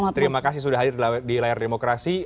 terima kasih sudah hadir di layar demokrasi